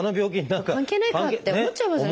関係ないかって思っちゃいますよね。